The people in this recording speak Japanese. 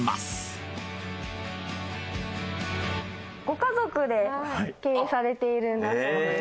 ご家族で経営されているんだそうです。